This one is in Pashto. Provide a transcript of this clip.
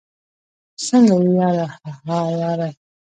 څنګه يې ياره؟ هههه ياره